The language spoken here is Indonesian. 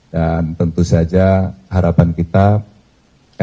dan tentu saja harapan kita